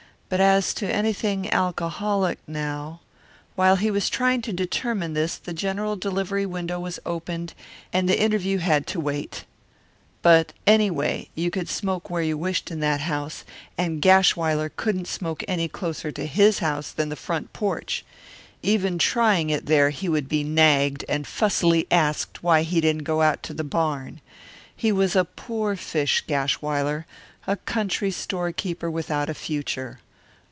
But as to anything alcoholic, now While he was trying to determine this the general delivery window was opened and the interview had to wait. But, anyway, you could smoke where you wished in that house, and Gashwiler couldn't smoke any closer to his house than the front porch. Even trying it there he would be nagged, and fussily asked why he didn't go out to the barn. He was a poor fish, Gashwiler; a country storekeeper without a future.